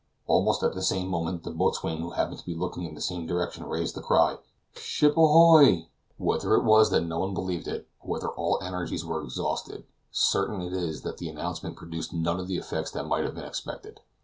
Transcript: Almost at the same moment the boatswain who happened to be looking in the same direction, raised the cry, "Ship ahoy!" Whether it was that no one believed it, or whether all energies were exhausted, certain it is that the announcement produced none of the effects that might have been expected.